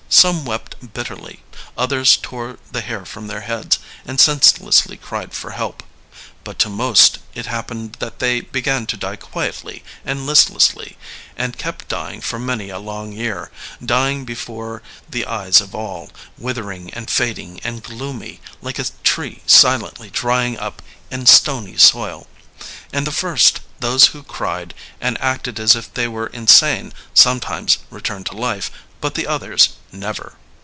Some wept bitterly ; others tore the hair from their heads and senselessly cried for help. But to most it happened that they began to die quietly and listlessly, and kept dying for many a long year, dying before the eyes of all, withering and fading and gloomy, like a tree silently drying up in stony soil. And the first, those who cried and acted as if they were insane, sometimes returned to life, but the others, never.''